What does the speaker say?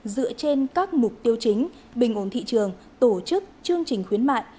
dựa trên các mục tiêu chính bình ổn thị trường tổ chức chương trình khuyến mại